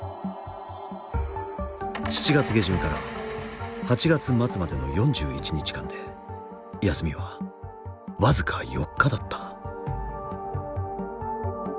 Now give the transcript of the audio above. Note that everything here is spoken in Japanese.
７月下旬から８月末までの４１日間で休みは僅か４日だった。